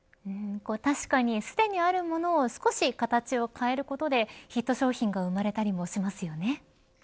確かにすでにあるものを少し形を変えることでヒット商品が生まれたりもしますよね。